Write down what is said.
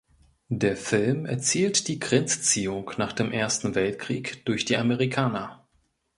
Der Film erzählt die Grenzziehung nach dem Ersten Weltkrieg durch die Amerikaner.